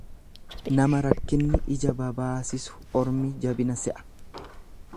Nama rakkinni ija babaasisu ormi jabina se'a.